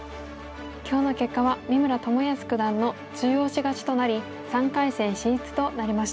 今日の結果は三村智保九段の中押し勝ちとなり３回戦進出となりました。